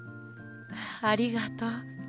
ありがとう。